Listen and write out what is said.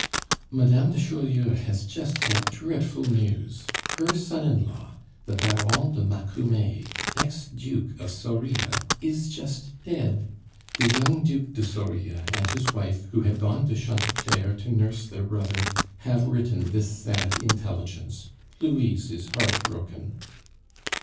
"Madame de Chaulieu has just had dreadful news; her son in law, the Baron de Macumer, ex duke of Soria, is just dead. The young Duc de Soria and his wife, who had gone to Chantepleurs to nurse their brother, have written this sad intelligence. Louise is heart broken."